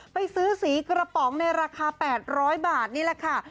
ไปซื้อสีกระป๋องในราคา๘๐๐บาทนี่แหละค่ะ